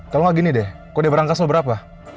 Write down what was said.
kalau gak gini deh kok udah berangkas lo berapa